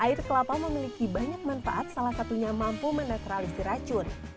air kelapa memiliki banyak manfaat salah satunya mampu menetralisi racun